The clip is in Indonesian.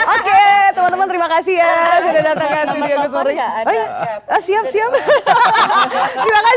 oke teman teman terima kasih ya sudah datang ke tv anak purni